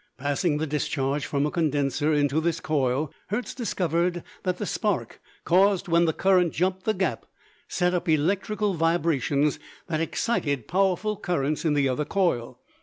Passing the discharge from a condenser into this coil, Hertz discovered that the spark caused when the current jumped the gap set up electrical vibrations that excited powerful currents in the other coil.